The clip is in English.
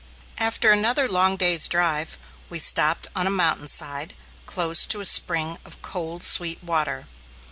After another long day's drive, we stopped on a mountain side close to a spring of cold, sweet water.